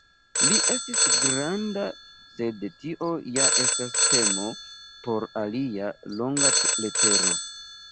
Li estis granda, sed tio ja estas temo por alia, longa letero.